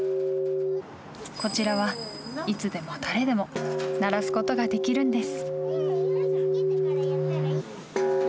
こちらは、いつでも誰でも鳴らすことができるんです。